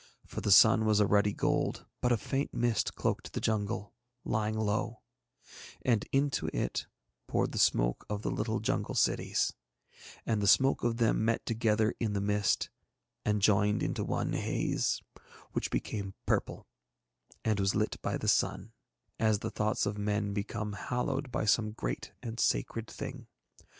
For the sun was a ruddy gold, but a faint mist cloaked the jungle, lying low, and into it poured the smoke of the little jungle cities; and the smoke of them met together in the mist and joined into one haze, which became purple, and was lit by the sun, as the thoughts of men become hallowed by some great and sacred thing.